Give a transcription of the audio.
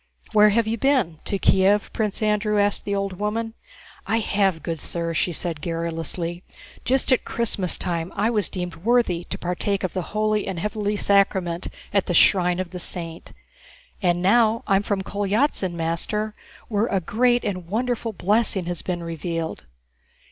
"Where have you been? To Kiev?" Prince Andrew asked the old woman. "I have, good sir," she answered garrulously. "Just at Christmastime I was deemed worthy to partake of the holy and heavenly sacrament at the shrine of the saint. And now I'm from Kolyázin, master, where a great and wonderful blessing has been revealed."